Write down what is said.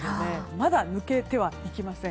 まだ抜けてはいきません。